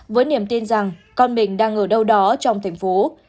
với niềm tin rằng con mình đang ở đâu đó trong thành phố